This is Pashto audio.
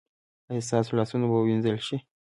ایا ستاسو لاسونه به وینځل شي؟